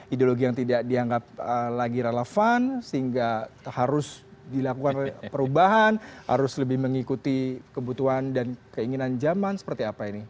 ideologi yang tidak dianggap lagi relevan sehingga harus dilakukan perubahan harus lebih mengikuti kebutuhan dan keinginan zaman seperti apa ini